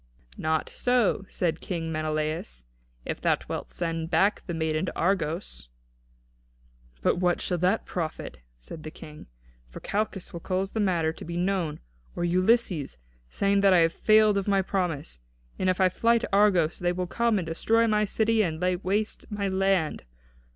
"Not so," said King Menelaus, "if thou wilt send back the maiden to Argos." "But what shall that profit," said the King; "for Calchas will cause the matter to be known; or Ulysses, saying that I have failed of my promise; and if I fly to Argos, they will come and destroy my city and lay waste my land.